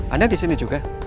anda di sini juga